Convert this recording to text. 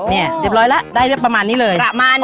เรียบร้อยแล้วได้ประมาณนี้เลย